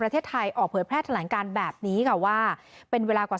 ประเทศไทยออกเผยแพร่แถลงการแบบนี้ค่ะว่าเป็นเวลากว่า